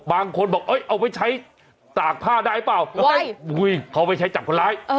บางคนบอกเอาไว้ใช้ตากผ้าได้เปล่าเขาไปใช้จับคนร้าย